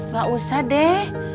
gak usah deh